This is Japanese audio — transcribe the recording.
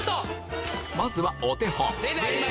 まずはお手本